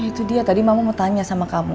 itu dia tadi mama mau tanya sama kamu